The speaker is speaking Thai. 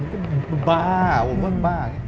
ผมก็บ้าผมก็บ้า